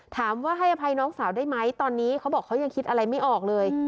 ถามว่าให้อภัยน้องสาวได้ไหมตอนนี้เขาบอกเขายังคิดอะไรไม่ออกเลย